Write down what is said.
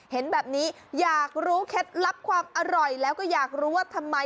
โปรดติดตามตอนต่อไป